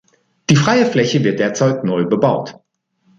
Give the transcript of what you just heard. Die freie Fläche wird derzeit neu bebaut.